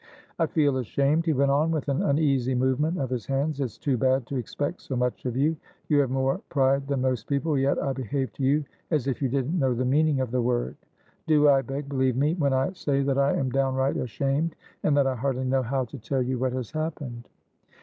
"I feel ashamed," he went on, with an uneasy movement of his hands. "It's too bad to expect so much of you. You have more pride than most people, yet I behave to you as if you didn't know the meaning of the word. Do, I beg, believe me when I say that I am downright ashamed, and that I hardly know how to tell you what has happened."